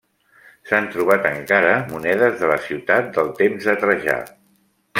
S'han trobat encara monedes de la ciutat del temps de Trajà.